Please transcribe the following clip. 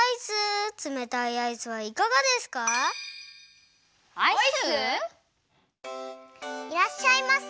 いらっしゃいませ。